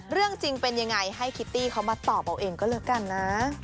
เรื่องจริงเป็นยังไงให้คิตตี้เขามาตอบเอาเองก็แล้วกันนะ